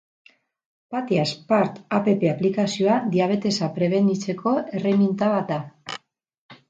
Patia start app aplikazioa diabetesa prebenitzeko erreminta bat da.